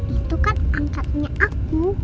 itu kan angkatnya aku